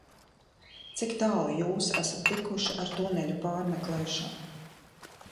Cik tālu Jūs esat tikuši ar tuneļu pārmeklēšanu?